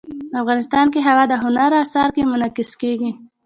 افغانستان کې هوا د هنر په اثار کې منعکس کېږي.